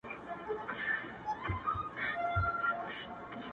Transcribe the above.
• که د سپینو اوبو جام وي ستا له لاسه,